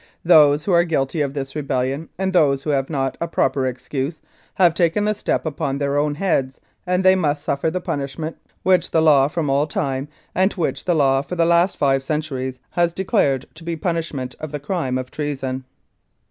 . Those who are guilty of this rebellion, and those who have not a proper excuse, have taken the step upon their own heads, and they must suffer the punishment which the law from all time, and which the law for the last five centuries, has declared to be the punish ment of the crime of treason."